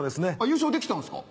優勝できたんですか？